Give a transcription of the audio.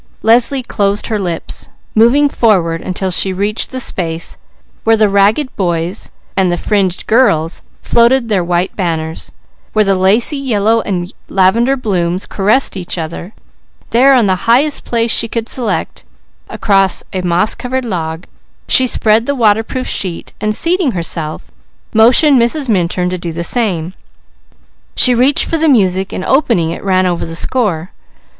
Leslie closed her lips, moving forward until she reached the space where the ragged boys and the fringed girls floated their white banners, where lacy yellow and lavender blooms caressed each other, there on the highest place she could select, across a moss covered log, she spread the waterproof sheet, and seating herself, motioned Mrs. Minturn to do the same. She reached for the music and opening it ran over the score.